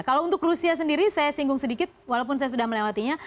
kalau untuk rusia sendiri saya singgung sedikit walaupun saya sudah melewatinya